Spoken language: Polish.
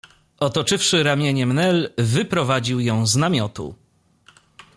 Otoczywszy ramieniem Nel, wyprowadził ją z namiotu.